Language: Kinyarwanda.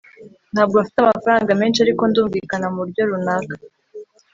ntabwo mfite amafaranga menshi, ariko ndumvikana muburyo runaka